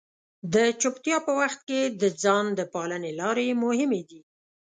د چپتیا په وخت کې د ځان د پالنې لارې مهمې دي.